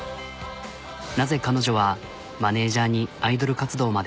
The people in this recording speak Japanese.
なぜ彼女はマネジャーにアイドル活動まで。